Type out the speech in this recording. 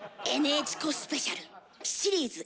ＮＨコスペシャルシリーズ